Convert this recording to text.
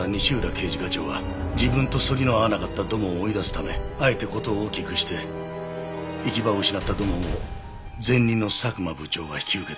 刑事課長は自分とそりの合わなかった土門を追い出すためあえて事を大きくして行き場を失った土門を前任の佐久間部長が引き受けたというわけだ。